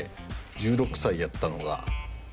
１６歳やったのが。